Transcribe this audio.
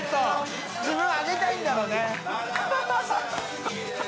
自分上げたいんだろうね。